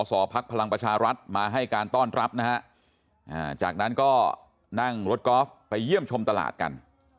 อภักดิ์พลังประชารัฐมาให้การต้อนรับนะฮะจากนั้นก็นั่งรถกอล์ฟไปเยี่ยมชมตลาดกัน